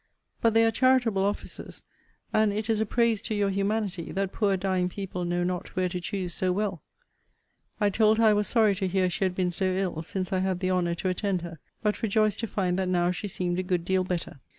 But they are charitable offices: and it is a praise to your humanity, that poor dying people know not where to choose so well. I told her I was sorry to hear she had been so ill since I had the honour to attend her; but rejoiced to find that now she seemed a good deal better.